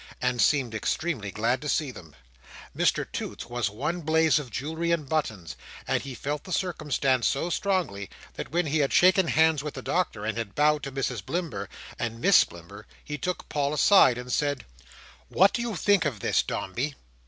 and seemed extremely glad to see them. Mr Toots was one blaze of jewellery and buttons; and he felt the circumstance so strongly, that when he had shaken hands with the Doctor, and had bowed to Mrs Blimber and Miss Blimber, he took Paul aside, and said, "What do you think of this, Dombey?"